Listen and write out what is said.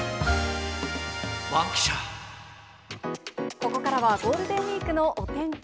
ここからはゴールデンウィークのお天気。